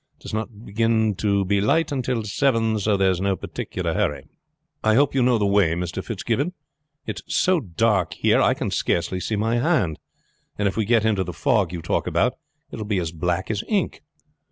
It does not begin to be light until seven, so there is no particular hurry." "I hope you know the way, Mr. Fitzgibbon? It is so dark here I can scarcely see my hand. And if we get into the fog you talk about it will be as black as ink."